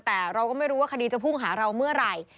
แต่เราก็ไม่รู้ว่าคดีจะพุ่งหาเราเมื่อไหร่